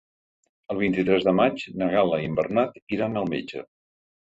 El vint-i-tres de maig na Gal·la i en Bernat iran al metge.